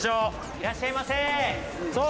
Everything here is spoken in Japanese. いらっしゃいませ！